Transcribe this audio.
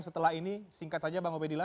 setelah ini singkat saja bang obed dila